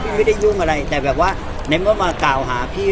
ไม่ได้ยุ่งอะไรแต่แบบว่าในเมื่อมากล่าวหาพี่